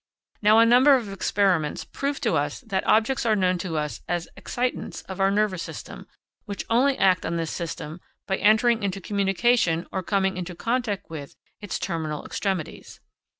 Now, a number of experiments prove to us that objects are known to us as excitants of our nervous system which only act on this system by entering into communication, or coming into contact with, its terminal extremities.